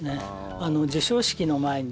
受賞式の前に。